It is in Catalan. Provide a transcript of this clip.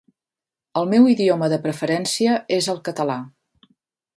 El meu idioma de preferència és el català.